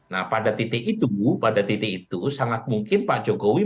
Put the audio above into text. nah pada titik itu sangat mungkin pak jokowi